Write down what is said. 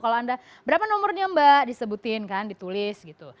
kalau anda berapa nomornya mbak disebutkan ditulis gitu